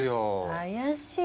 怪しい。